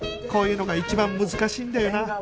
こういうのが一番難しいんだよな